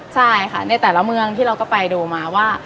ใช่ค่ะในแต่ละเมืองที่เราก็ไปดูมาว่า